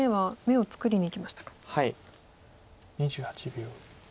２８秒。